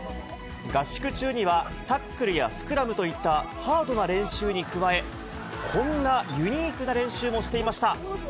合宿中にはタックルやスクラムといったハードな練習に加え、こんなユニークな練習もしていました。